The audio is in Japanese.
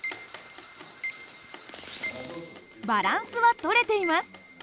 バランスは取れています。